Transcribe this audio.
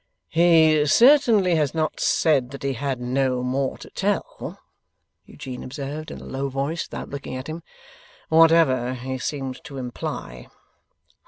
'He certainly has not said that he had no more to tell,' Eugene observed in a low voice without looking at him, 'whatever he seemed to imply.